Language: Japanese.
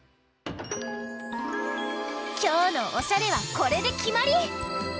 きょうのおしゃれはこれできまり！